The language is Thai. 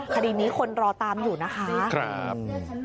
คดีนี้คนรอตามอยู่นะคะ